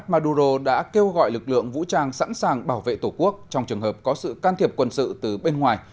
maduro đã kêu gọi lực lượng vũ trang sẵn sàng bảo vệ tổ quốc trong trường hợp có sự can thiệp quân sự từ bên ngoài